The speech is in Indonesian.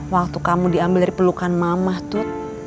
waktu kamu diambil dari pelukan mama tuh